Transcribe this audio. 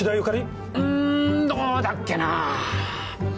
うーんどうだっけなぁ？